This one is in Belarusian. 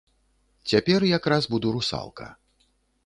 Цяпер якраз буду русалка.